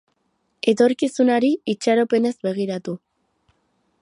Etorkizunari itxaropenez begiratu.